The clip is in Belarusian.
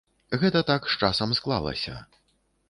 Гэта так з часам склалася.